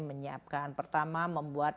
menyiapkan pertama membuat